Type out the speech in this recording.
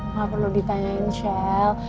nggak perlu ditanyain shell